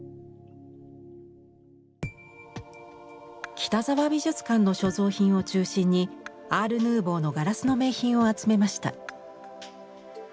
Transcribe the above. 北澤美術館の所蔵品を中心にアール・ヌーヴォーのガラスの名品を集めました。